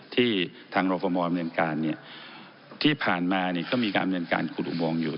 ที่ทางรภมมเรียนการที่ผ่านมาก็มีการเรียนการขุดอุโมงอยู่